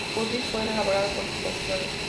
Purvis fue alabado por sus acciones.